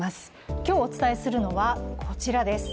今日お伝えするのは、こちらです。